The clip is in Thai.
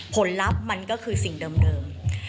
ผลลัพธ์มันก็คือสิ่งเดิม